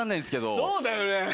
そうだよね。